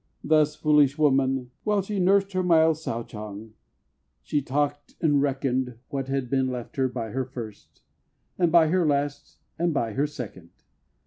Thus, foolish woman! while she nursed Her mild souchong, she talked and reckoned What had been left her by her first, And by her last, and by her second.